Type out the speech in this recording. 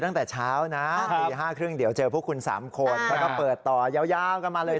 ตั้งแต่เช้านะตี๕๓๐เดี๋ยวเจอพวกคุณ๓คนแล้วก็เปิดต่อยาวกันมาเลย